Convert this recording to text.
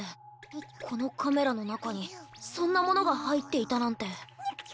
このカメラのなかにそんなものがはいっていたなんて。